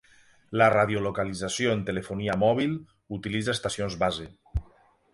La radiolocalització en telefonia mòbil utilitza estacions base.